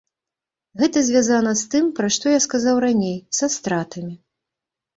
Гэта звязана з тым, пра што я сказаў раней, са стратамі.